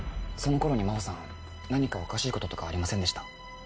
その頃に真帆さん何かおかしいこととかありませんでした？